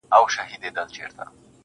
فقير نه يمه سوالگر دي اموخته کړم.